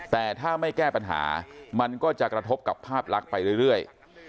แต่ถ้าไม่แก้ปัญหามันก็จะกระทบกับภาพลักษณ์ไปเรื่อย